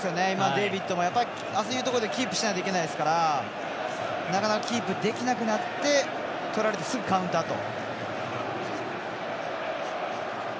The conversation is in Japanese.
デイビッドも浅いところでキープしなきゃいけないですからなかなかキープできなくなってとられて、すぐカウンターと。